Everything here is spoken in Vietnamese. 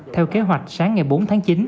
theo kế hoạch sáng ngày bốn tháng chín